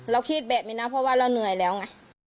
คิดแบบนี้นะเพราะว่าเราเหนื่อยแล้วไง